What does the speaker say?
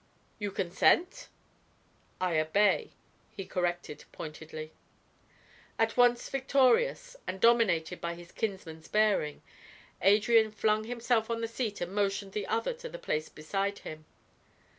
"You consent?" "I obey," he corrected pointedly. At once victorious, and dominated by his kinsman's bearing, Adrian flung himself on the seat and motioned the other to the place beside him.